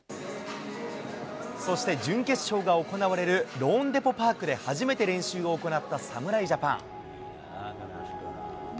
そして準決勝が行われるローンデポ・パークで初めて練習を行った侍ジャパン。